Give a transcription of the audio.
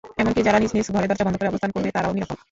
এমনকি যারা নিজ নিজ ঘরে দরজা বন্ধ করে অবস্থান করবে তারাও নিরাপদ।